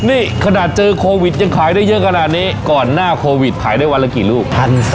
นี่ขนาดเจอโควิดยังขายได้เยอะขนาดนี้ก่อนหน้าโควิดขายได้วันละกี่ลูก